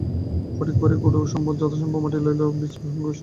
ফটকিরির গুঁড়ো যথাসম্ভব মাটি ময়লা ও রোগের বীজ সঙ্গে নিয়ে আস্তে আস্তে তলিয়ে যান।